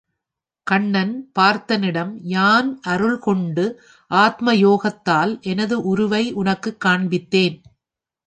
கண்ணன் பார்த்தனிடம் யான் அருள் கொண்டு ஆத்மயோகத்தால் எனது உருவை உனக்குக் காண்பித்தேன்.